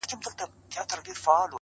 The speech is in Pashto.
• د اوښکو ته مو لپې لوښي کړې که نه؛